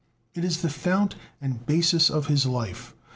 It is the fount and basis of his life.